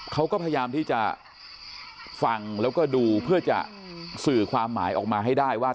เขาก็พยายามที่จะฟังแล้วก็ดูเพื่อจะสื่อความหมายออกมาให้ได้ว่า